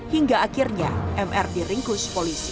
hingga akhirnya mr diringkus polisi